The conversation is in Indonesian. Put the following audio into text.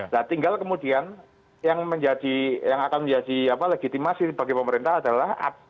nah tinggal kemudian yang akan menjadi legitimasi bagi pemerintah adalah